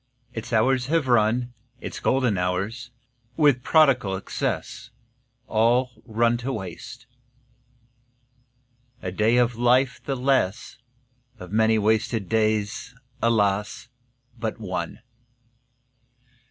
Its hours have run, Its golden hours, with prodigal excess, All run to waste. A day of life the less; Of many wasted days, alas, but one!